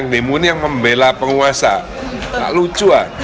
demo yang membelah penguasa tak lucu ya